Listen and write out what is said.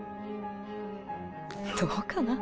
どうかな？